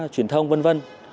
truyền thông v v